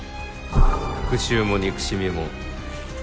復讐も憎しみも。